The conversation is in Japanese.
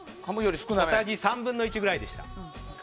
小さじ３分の１ぐらいでした。